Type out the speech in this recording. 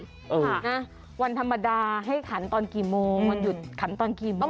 ค่ะนะวันธรรมดาให้ขันตอนกี่โมงวันหยุดขันตอนกี่โมง